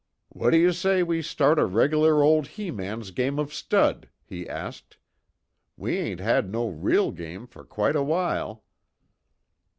"What do you say we start a regular old he man's game of stud?" he asked. "We ain't had no real game fer quite a while."